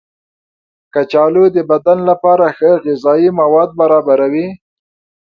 کچالو د بدن لپاره ښه غذايي مواد برابروي.